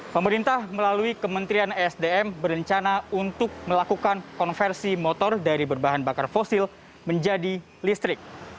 pemerintah melalui kementerian esdm berencana untuk melakukan konversi motor dari berbahan bakar fosil menjadi listrik